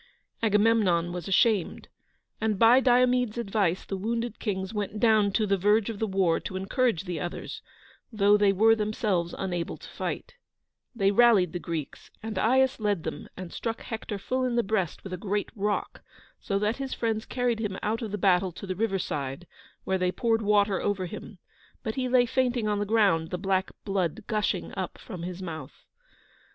Agamemnon was ashamed, and, by Diomede's advice, the wounded kings went down to the verge of the war to encourage the others, though they were themselves unable to fight. They rallied the Greeks, and Aias led them and struck Hector full in the breast with a great rock, so that his friends carried him out of the battle to the river side, where they poured water over him, but he lay fainting on the ground, the black blood gushing up from his mouth.